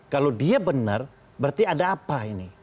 kalau dia benar berarti ada apa ini